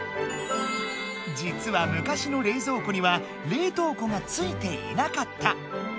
実はむかしの冷蔵庫には冷凍庫がついていなかった。